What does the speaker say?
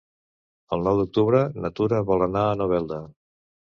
El nou d'octubre na Tura vol anar a Novelda.